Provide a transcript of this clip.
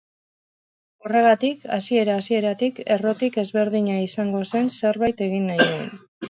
Horregatik, hasiera-hasieratik, errotik ezberdina izango zen zerbait egin nahi nuen.